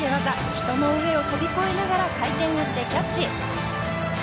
人の上を飛び越えながら回転をしてキャッチ。